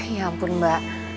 ya ampun mbak